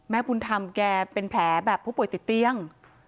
บุญธรรมแกเป็นแผลแบบผู้ป่วยติดเตียง